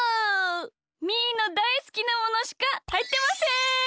みーのだいすきなものしかはいってません！